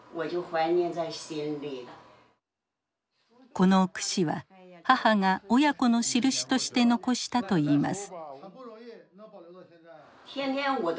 この櫛は母が親子のしるしとして残したといいます。